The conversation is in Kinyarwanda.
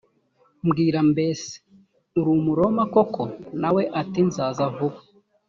mbwira mbese uri umuroma koko na we ati nzaza vuba